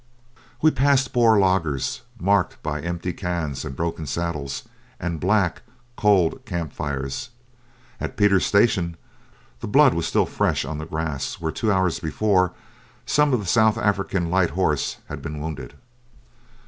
We passed Boer laagers marked by empty cans and broken saddles and black, cold camp fires. At Pieter's Station the blood was still fresh on the grass where two hours before some of the South African Light Horse had been wounded.